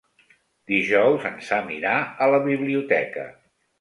Dijous en Sam irà a la biblioteca.